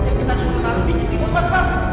yang kita suruh taruh di timun pascar